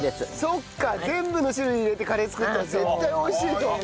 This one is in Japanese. そっか全部の種類入れてカレー作ったら絶対美味しいと思う。